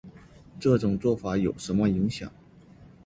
这种做法有什么影响